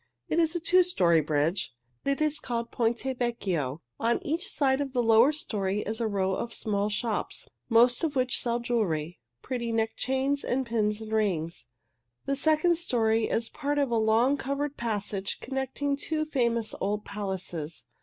"It is a two story bridge. It is called Ponte Vecchio. On each side of the lower story is a row of small shops, most of which sell jewelry pretty neck chains and pins and rings. The second story is part of a long, covered passage connecting two famous old palaces.